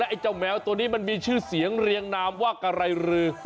ไอ้เจ้าแมวตัวนี้มันมีชื่อเสียงเรียงนามว่ากะไรรือ